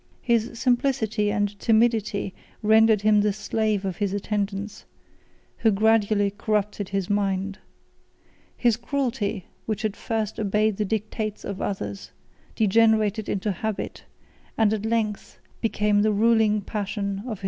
His simplicity and timidity rendered him the slave of his attendants, who gradually corrupted his mind. His cruelty, which at first obeyed the dictates of others, degenerated into habit, and at length became the ruling passion of his soul.